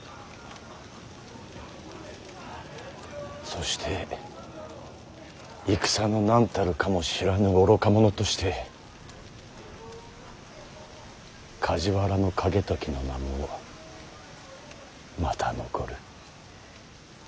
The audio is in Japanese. そして戦のなんたるかも知らぬ愚か者として梶原景時の名もまた残る。